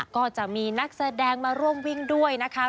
ก็จะมีนักแสดงมาร่วมวิ่งด้วยนะคะ